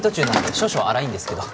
少々荒いんですけど